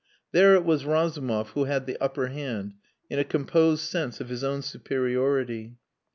There it was Razumov who had the upper hand, in a composed sense of his own superiority.